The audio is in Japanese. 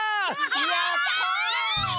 やった！